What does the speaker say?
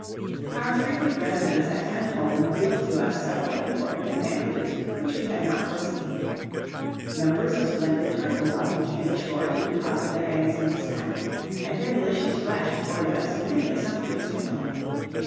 Our frequent residence at Tentholm revealed to us several important advantages which we had not foreseen. Numbers of splendid turtles often came ashore to deposit their eggs in the sand, and their delicious flesh afforded us many a sumptuous meal.